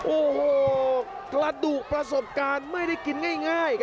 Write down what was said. โอ้โหกระดูกประสบการณ์ไม่ได้กินง่าย